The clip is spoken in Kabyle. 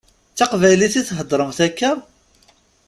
D taqbaylit i theddṛemt akka?